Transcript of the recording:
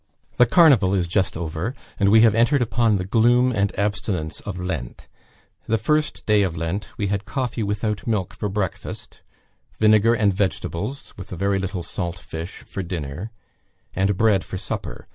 "The Carnival is just over, and we have entered upon the gloom and abstinence of Lent. The first day of Lent we had coffee without milk for breakfast; vinegar and vegetables, with a very little salt fish, for dinner; and bread for supper.